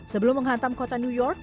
sebelum menghantam kota new york